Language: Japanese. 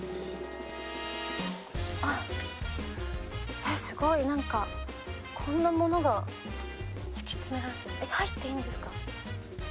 なこすごい何かこんな物が敷き詰められてる入っていいんですか？